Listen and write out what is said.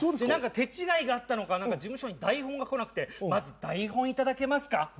何か手違いがあったのか事務所に台本が来なくてまず台本頂けますか？